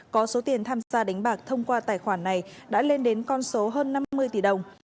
có số tiền tham gia đánh bạc thông qua tài khoản này đã lên đến con số hơn năm mươi tỷ đồng